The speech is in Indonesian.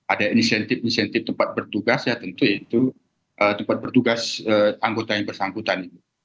ada insentif insentif tempat bertugas ya tentu itu tempat bertugas anggota yang bersangkutan